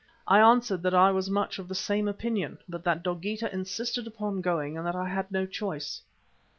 I answered that I was much of the same opinion, but that Dogeetah insisted upon going and that I had no choice.